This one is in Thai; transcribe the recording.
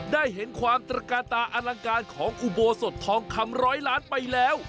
ได้เห็นความตระกาตาอลังการของอุโบสถทองคำร้อยล้านไปแล้ว